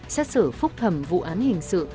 xét xử phúc thẩm vụ án hình sự